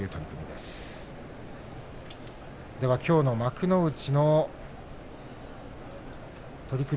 では、きょうの幕内の取組